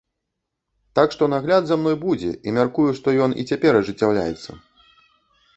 Так што, нагляд за мной будзе і, мяркую, што ён і цяпер ажыццяўляецца.